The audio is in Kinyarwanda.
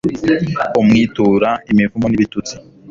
umwitura imivumo n'ibitutsi